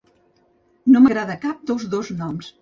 No m’agrada cap dels dos noms.